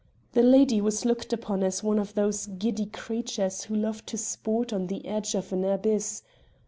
The lady was looked upon as one of those giddy creatures who love to sport on the edge of an abyss.